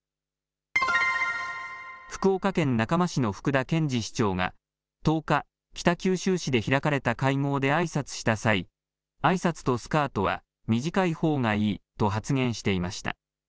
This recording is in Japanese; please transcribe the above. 福岡県中間市の福田健次市長が１０日、北九州市で開かれた会合であいさつした際あいさつとスカートは短いほうがいいと発言していました。